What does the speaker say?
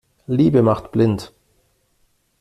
Liebe macht blind.